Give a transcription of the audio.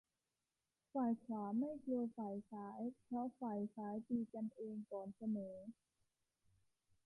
ฝ่ายขวาไม่กลัวฝ่ายซ้าย เพราะฝ่ายซ้ายตีกันเองก่อนเสมอ